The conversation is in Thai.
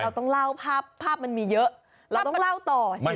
เราต้องเล่าภาพภาพมันมีเยอะเราต้องเล่าต่อสิ